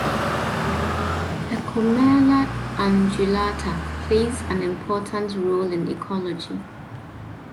"Tecomella undulata" plays an important role in ecology.